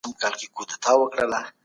ایا یوازې کارډیو وزن کموي؟